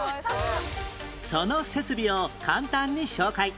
その設備を簡単に紹介